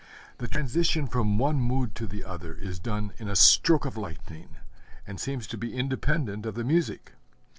The transition from one mood to the other is done in a stroke of lightning, and seems to be independent of the music.